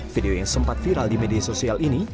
video yang sempat viral di media sosial ini